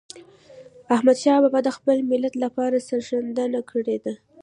احمدشاه بابا د خپل ملت لپاره سرښندنه کړې ده.